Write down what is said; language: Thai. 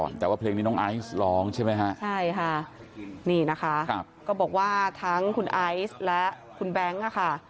นี่คือชีวิตของพ่อเท่านี้